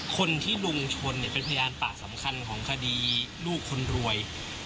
คนที่ลุงชนเนี่ยเป็นพยานปากสำคัญของคดีลูกคนรวย